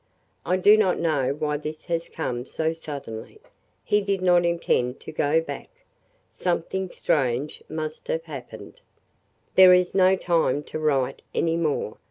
I do not know why this has come so suddenly. He did not intend to go back. Something strange must have happened. There is no time to write any more.